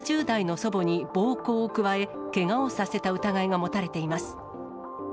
徳島県鳴門市の自宅で、７０代の祖母に暴行を加え、けがをさせた疑いが持たれています。